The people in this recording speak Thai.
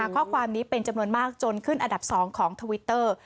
ข้อความนี้เป็นจำนวนมากจนขึ้นอันดับ๒ของทวิตเตอร์